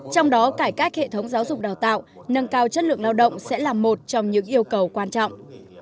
trong đó cải cách hệ thống giáo dục đào tạo nâng cao chất lượng lao động sẽ là một trong những yêu cầu quan trọng